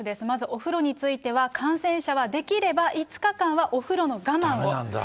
まずお風呂については、感染者はできれば５日間はお風呂の我慢を。